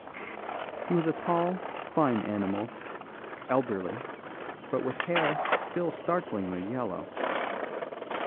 He was a tall, fine animal, elderly, but with hair still startlingly yellow.